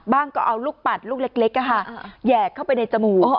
ก็เอาลูกปัดลูกเล็กแหยกเข้าไปในจมูก